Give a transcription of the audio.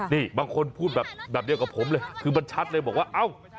นี่บางคนพูดแบบเดียวกับผมเลยคือมันชัดเลยบอกว่าเอ้า